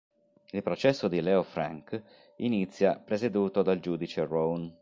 Il processo di Leo Frank inizia, presieduto dal giudice Roan.